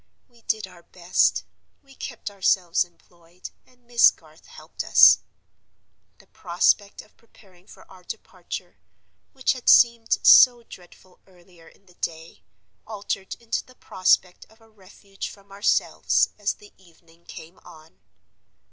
We did our best. We kept ourselves employed, and Miss Garth helped us. The prospect of preparing for our departure, which had seemed so dreadful earlier in the day, altered into the prospect of a refuge from ourselves as the evening came on.